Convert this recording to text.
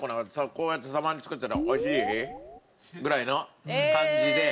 こうやってたまに作ってて美味しい？ぐらいの感じで。